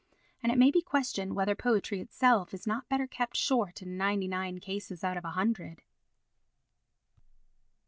And it may be questioned whether poetry itself is not better kept short in ninety nine cases out of a hundred.